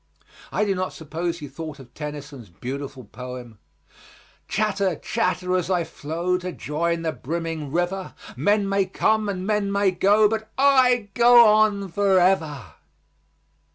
I do not suppose he thought of Tennyson's beautiful poem: "Chatter, chatter, as I flow, To join the brimming river, Men may come, and men may go, But I go on forever."